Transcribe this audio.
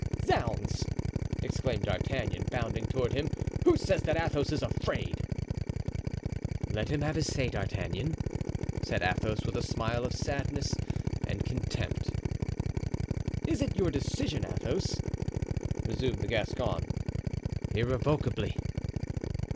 "Zounds!" exclaimed D'Artagnan, bounding toward him, "who says that Athos is afraid?" "Let him have his say, D'Artagnan," said Athos, with a smile of sadness and contempt. "Is it your decision, Athos?" resumed the Gascon. "Irrevocably."